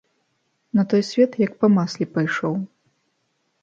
На той свет, як па масле, пайшоў.